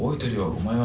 「お前は」